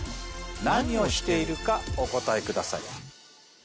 何をしているかお答えください